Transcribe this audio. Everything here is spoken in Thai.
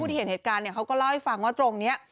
ที่เห็นเหตุการณ์เขาก็เล่าให้ฟังว่าตรงนี้